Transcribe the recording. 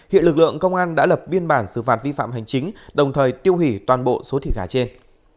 hiện lực lượng công an đã lập biên bản xử phạt vi phạm hành chính đồng thời tiêu hủy toàn bộ số thịt gà trên